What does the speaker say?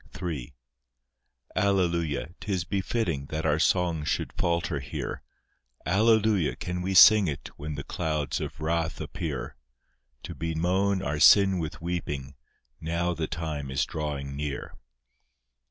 III Alleluia, 'tis befitting That our song should falter here; Alleluia, can we sing it When the clouds of wrath appear? To bemoan our sin with weeping, Now the time is drawing near.